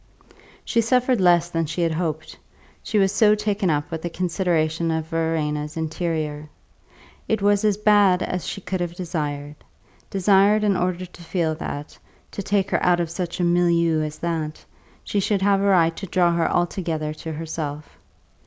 She suffered less than she had hoped she was so taken up with the consideration of Verena's interior. It was as bad as she could have desired; desired in order to feel that (to take her out of such a milieu as that) she should have a right to draw her altogether to herself.